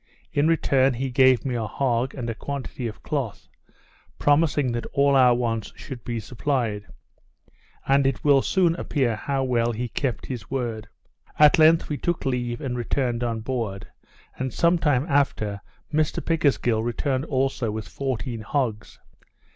In return he gave me a hog, and a quantity of cloth, promising that all our wants should be supplied; and it will soon appear how well he kept his word. At length we took leave, and returned on board; and, some time after, Mr Pickersgill returned also with fourteen hogs.